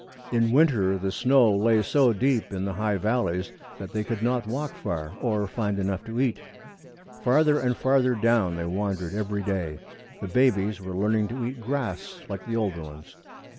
In winter the snow lay so deep in the high valleys that they could not walk far or find enough to eat. Farther and farther down they wandered every day. The babies were learning to eat grass like the older ones.